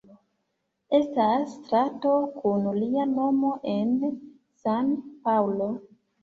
Estas strato kun lia nomo en San-Paŭlo.